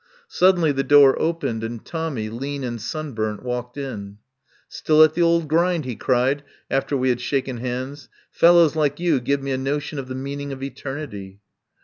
Suddenly the door opened, and Tommy, lean and sunburnt, stalked in. "Still at the old grind," he cried, after we had shaken hands. "Fellows like you give me a notion of the meaning of Eternity."